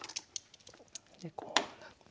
こうなって。